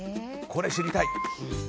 これ、知りたい。